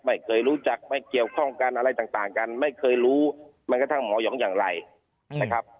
ไม่เคยรู้จักไม่เกี่ยวข้องกันอะไรต่างกันไม่เคยรู้แม้กระทั่งหมอหยองอย่างไรนะครับ